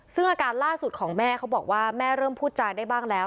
ซึ่งอาการล่าสุดของแม่เขาบอกว่าแม่เริ่มพูดจาได้บ้างแล้ว